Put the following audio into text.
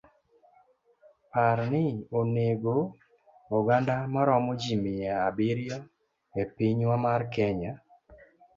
Parni onego oganda maromo ji mia abiriyo epinywa mar Kenya.